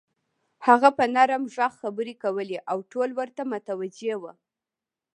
هغه په نرم غږ خبرې کولې او ټول ورته متوجه وو.